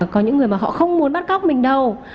có những người mà họ không muốn bắt cóc mình đâu